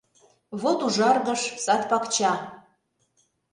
Вот ужаргыш сад-пакча